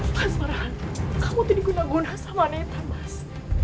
mas marahan kamu tidak guna guna sama netan mas